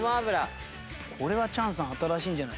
これはチャンさん新しいんじゃない？